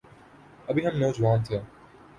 ابھی ہم نوجوان تھے۔